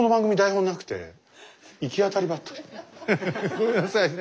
ごめんなさいね。